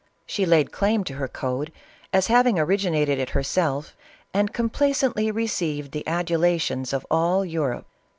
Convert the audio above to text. She laid claim to her code, as having originated it herself, and com placently received the adulations of all Europe.